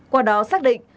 qua đó xác định